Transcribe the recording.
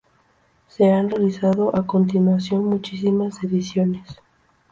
Se han realizado a continuación muchísimas ediciones.